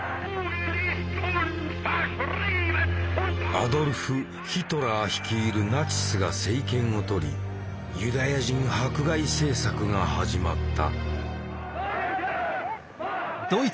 アドルフ・ヒトラー率いるナチスが政権をとりユダヤ人迫害政策が始まった。